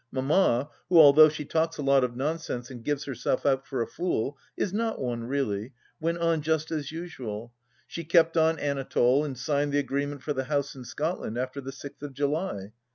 Mamma, who although she talks a lot of nonsense and gives herself out for a fool, is not one, really, went on just as usual : she kept on Anatole, and signed the agreement for the house in Scotland after the sixth of July.